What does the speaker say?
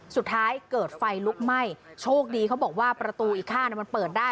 สุดท้ายเกิดไฟลุกไหม้โชคดีเขาบอกว่าประตูอีกข้างมันเปิดได้